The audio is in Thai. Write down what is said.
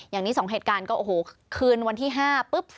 อย่างนี้๒เหตุการณ์ก็โอ้โหคืนวันที่๕ปุ๊บ